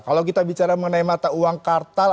kalau kita bicara mengenai mata uang kartal